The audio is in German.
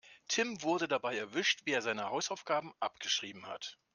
Tim wurde dabei erwischt, wie er seine Hausaufgaben abgeschrieben hat.